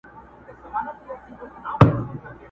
پښتون ژغورني غورځنګ ته،!